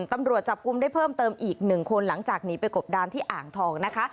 ตำรวจจับกลุ่มได้เพิ่มเติมอีก๑คนหลังจากหนีไปกบดานที่อ่างทองนะคะ